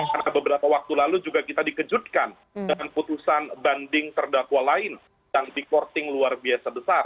karena beberapa waktu lalu juga kita dikejutkan dengan putusan banding serdakwa lain yang di courting luar biasa besar